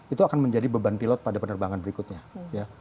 itu akan menjadi beban pilot pada penerbangan berikutnya ya